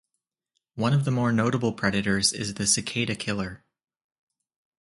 One of the more notable predators is the cicada killer.